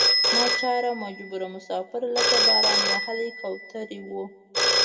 ناچاره مجبور مسافر لکه باران وهلې کوترې وو.